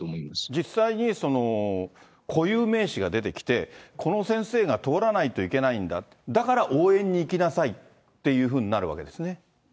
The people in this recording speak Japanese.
実際に、固有名詞が出てきて、この先生が通らないといけないんだ、だから応援に行きなさいっていうふうになるわけですね。